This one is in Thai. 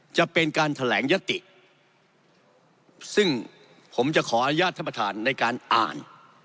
จะเป็นการแถลงยติซึ่งผมจะขออนุญาตท่านประธานในการอ่าน